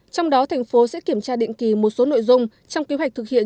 trong đó thành phố sẽ kiểm tra định kỳ một số nội dung trong kế hoạch thực hiện